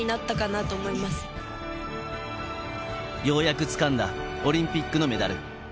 ようやくつかんだオリンピックのメダル。